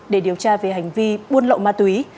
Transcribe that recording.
để điều tra về hành vi buôn lậu ma túy